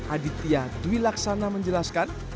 aditya dwi laksana menjelaskan